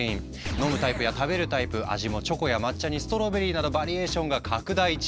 飲むタイプや食べるタイプ味もチョコや抹茶にストロベリーなどバリエーションが拡大中。